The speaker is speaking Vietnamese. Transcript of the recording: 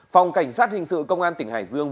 phòng cảnh sát hình sự công an tỉnh hải dương